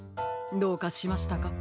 どうかしましたか？